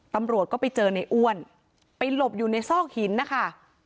ตำรวจก็ไปเจอในอ้วนไปหลบอยู่ในซอกหินนะคะ